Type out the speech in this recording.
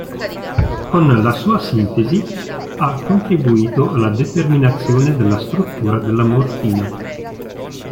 Con la sua sintesi, ha contribuito alla determinazione della struttura della morfina.